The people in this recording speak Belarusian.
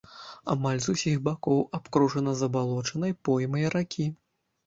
Амаль з усіх бакоў абкружана забалочанай поймай ракі.